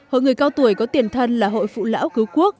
hội người cao tuổi có tiền thân là hội phụ lão cứu quốc